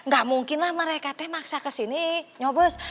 gak mungkin lah mereka teh maksa kesini nyobes